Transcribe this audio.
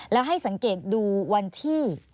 แล้วให้สังเกตดูวันที่